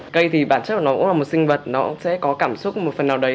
cây thì bản chất của nó cũng là một sinh vật nó sẽ có cảm xúc một phần nào đấy